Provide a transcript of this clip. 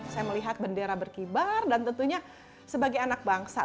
saya melihat bendera berkibar dan tentunya sebagai anak bangsa